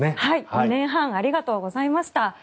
２年半ありがとうございました。